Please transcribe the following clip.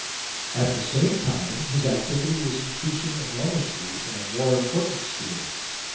At the same time his activity was increasing enormously in a more important sphere.